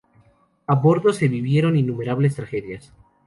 A bordo se vivieron innumerables tragedias.